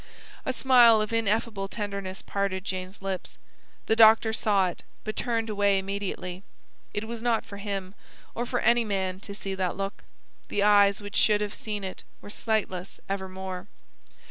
A smile of ineffable tenderness parted Jane's lips. The doctor saw it, but turned away immediately. It was not for him, or for any man, to see that look. The eyes which should have seen it were sightless evermore.